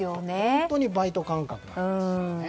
本当にバイト感覚なんです。